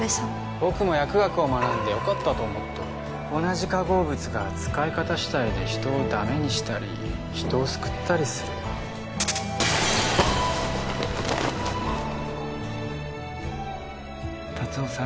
僕も薬学を学んでよかったと思っとる同じ化合物が使い方しだいで人をダメにしたり人を救ったりする・達雄さん